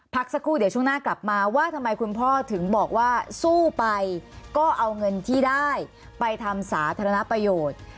พักสักครู่เดี๋ยวช่วงหน้ากลับมาว่าทำไมคุณพ่อถึงบอกว่าสู้ไปก็เอาเงินที่ได้ไปทำสาธารณประโยชน์